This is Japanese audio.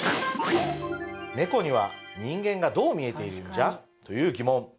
猫には人間がどう見えているんじゃ？という疑問